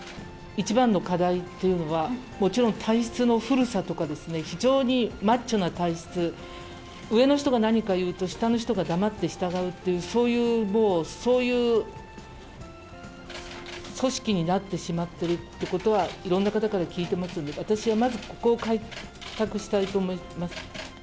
一番の課題というのは、もちろん体質の古さとか、非常にマッチョな体質、上の人が何か言うと、下の人が黙って従うっていう、そういうもう、そういう組織になってしまってるってことは、いろんな方から聞いてますので、私はまずここを改革したいと思い